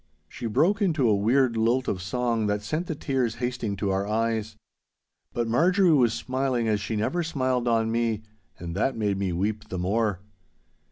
She broke into a weird lilt of song that sent the tears hasting to our eyes. But Marjorie was smiling as she never smiled on me, and that made me weep the more.